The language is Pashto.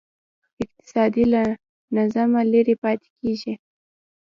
اقتصاد له نظمه لرې پاتې کېږي.